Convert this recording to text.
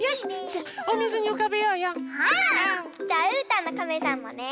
じゃあうーたんのカメさんもね。